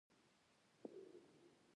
پوهاوی مظلوم راویښوي.